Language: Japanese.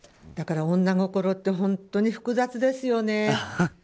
だから女心って本当に複雑ですよね。